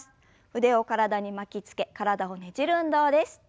腕を体に巻きつけ体をねじる運動です。